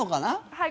はい。